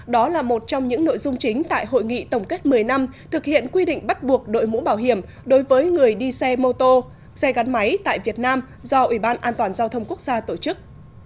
đó là một trong những nội dung chính tại hội nghị tổng kết một mươi năm thực hiện quy định bắt buộc đội mũ bảo hiểm đối với người đi xe mô tô xe gắn máy tại việt nam do ủy ban an toàn giao thông quốc gia tổ chức